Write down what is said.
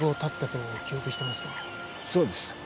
そうです。